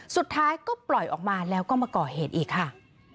สุดท้ายก็ปล่อยออกมาแล้วก็มาก่อเหตุอีกค่ะ